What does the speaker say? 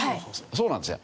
そうなんですね。